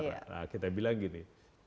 ke negara kita bilang gini